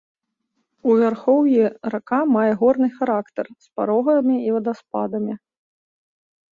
У вярхоўі рака мае горны характар, з парогамі і вадаспадамі.